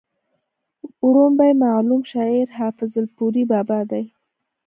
وړومبی معلوم شاعر حافظ الپورۍ بابا دی